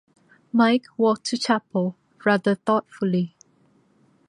Mike walked to chapel rather thoughtfully.